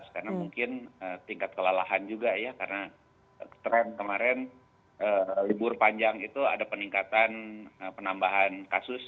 karena mungkin tingkat kelelahan juga ya karena kemarin libur panjang itu ada peningkatan penambahan kasus